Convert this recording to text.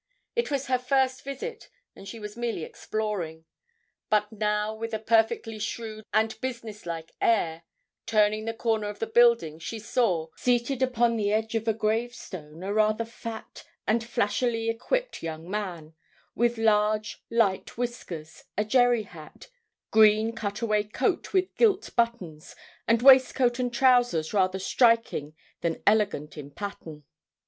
It was her first visit, and she was merely exploring; but now, with a perfectly shrewd and businesslike air, turning the corner of the building, she saw, seated upon the edge of a grave stone, a rather fat and flashily equipped young man, with large, light whiskers, a jerry hat, green cutaway coat with gilt buttons, and waistcoat and trousers rather striking than elegant in pattern.